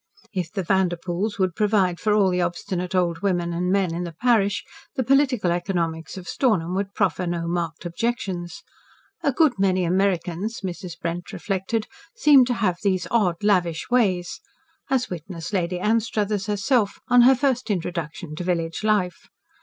If the Vanderpoels would provide for all the obstinate old men and women in the parish, the Political Economics of Stornham would proffer no marked objections. "A good many Americans," Mrs. Brent reflected, "seemed to have those odd, lavish ways," as witness Lady Anstruthers herself, on her first introduction to village life.